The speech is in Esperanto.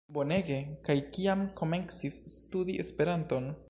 Bonege! kaj kiam komencis studi Esperanton?